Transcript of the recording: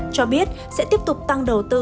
cho biết sẽ tiếp tục tăng đầu tư